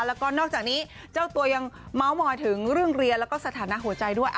แล้วก็นอกจากนี้เจ้าตัวยังเมาส์มอยถึงเรื่องเรียนแล้วก็สถานะหัวใจด้วย